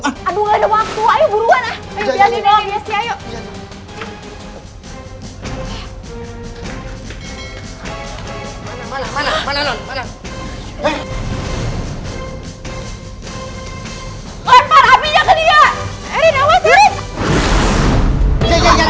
aduh gak ada waktu ayo buruan